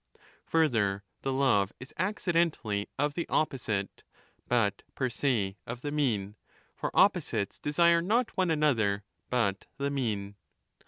Further, the love is accidentally of the opposite, but per se of the mean, for opposites desire not one another but the mean.